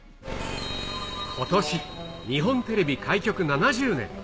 ことし、日本テレビ開局７０年。